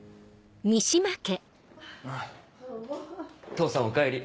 父さんおかえり。